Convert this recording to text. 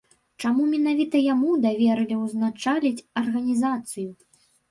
Чаму менавіта яму даверылі ўзначаліць арганізацыю?